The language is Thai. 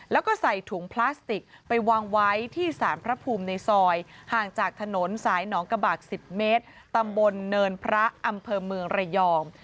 แล้วก็ใส่ถุงพลาสติกไปวางไว้ที่สารพระภูมิในซอยห่างจากถนนสายหนองกระบาก๑๐เมตรตำบลเนินพระอำเภอเมืองระยอง